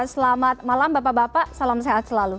selamat malam bapak bapak salam sehat selalu